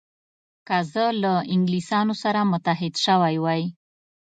که زه له انګلیسانو سره متحد شوی وای.